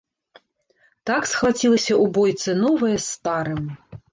Так схвацілася ў бойцы новае з старым.